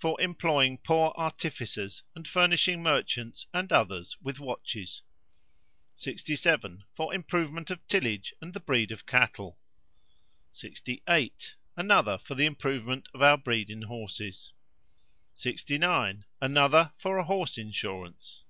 For employing poor artificers, and furnishing merchants and others with watches. 67. For improvement of tillage and the breed of cattle. 68. Another for the improvement of our breed in horses. 69. Another for a horse insurance.